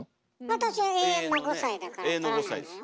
私は永遠の５さいだから取らないのよ。